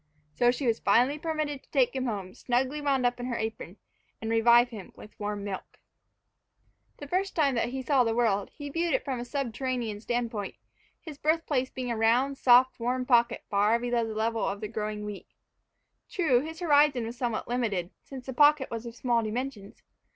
So she was finally permitted to take him home, snugly wound up in her apron, and revive him with warm milk. THE first time that he saw the world he viewed it from a subterranean standpoint, his birthplace being a round, soft, warm pocket far below the level of the growing wheat. True, his horizon was somewhat limited, since the pocket was of small dimensions.